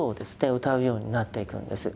うたうようになっていくんです。